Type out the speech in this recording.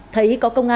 thấy có công